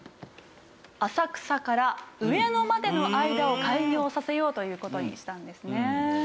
浅草から上野までの間を開業させようという事にしたんですね。